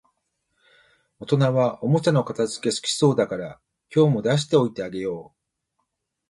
大人はおもちゃの片づけ好きそうだから、今日も出しておいてあげよう